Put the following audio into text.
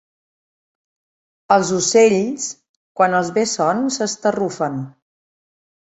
Els ocells, quan els ve son, s'estarrufen.